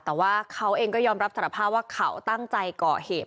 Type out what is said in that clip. แต่ว่าเขาเองก็ยอมรับสารภาพว่าเขาตั้งใจก่อเหตุ